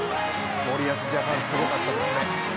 森保ジャパンすごかったですね。